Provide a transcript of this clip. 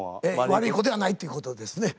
悪い子ではないということですね。